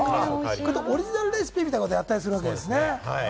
オリジナルレシピみたいなことも、やったりするんですね。